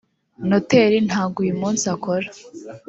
noteri ntago uyu munsi akora